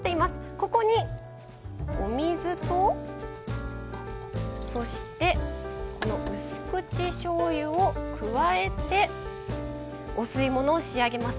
ここにお水とそして、うす口しょうゆを加えてお吸い物を仕上げます。